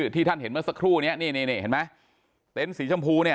ที่ท่านเห็นเมื่อสักครู่เนี่ยเต็นต์สีชมพูเนี่ย